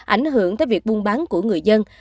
ảnh hưởng tới việc buôn bán của người dân